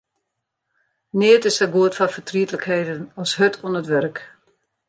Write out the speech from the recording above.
Neat is sa goed foar fertrietlikheden as hurd oan it wurk.